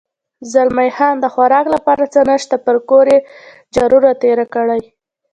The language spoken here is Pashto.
زلمی خان: د خوراک لپاره څه نشته، پر کور یې جارو را تېر کړی.